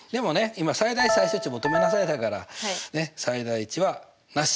今最大値・最小値求めなさいだからねっ最大値はなし。